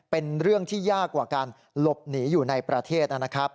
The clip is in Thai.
เป็นเรื่องที่ยากกว่าการหลบหนีอยู่ในประเทศนะครับ